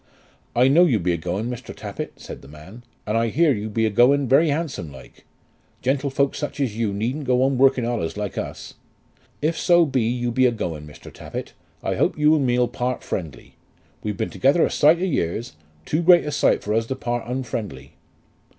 "I know you be a going, Mr. Tappitt," said the man; "and I hear you be a going very handsome like. Gentlefolk such as yeu needn't go on working allays like uz. If so be yeu be a going, Mr. Tappitt, I hope yeu and me'll part friendly. We've been together a sight o' years; too great a sight for uz to part unfriendly."